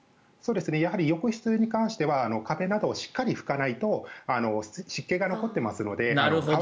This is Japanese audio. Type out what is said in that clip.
やはり浴室に関しては壁などをしっかり拭かないと湿気が残っていますので。